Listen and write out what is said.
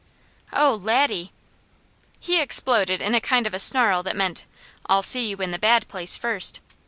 '" "Oh Laddie!" "He exploded in a kind of a snarl that meant, I'll see you in the Bad Place first.